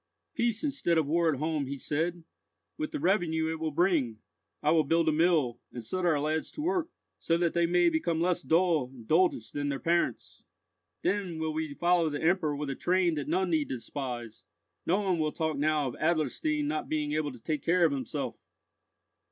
"Peace instead of war at home," he said; "with the revenue it will bring, I will build a mill, and set our lads to work, so that they may become less dull and doltish than their parents. Then will we follow the Emperor with a train that none need despise! No one will talk now of Adlerstein not being able to take care of himself!"